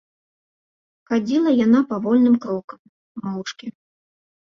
Хадзіла яна павольным крокам, моўчкі.